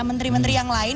menteri menteri yang lain